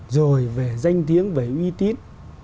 rồi về danh tiếng về uy tín